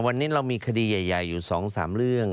วันนี้เรามีคดีใหญ่อยู่๒๓เรื่อง